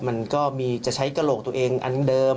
มันก็มีจะใช้กระโหลกตัวเองอันเดิม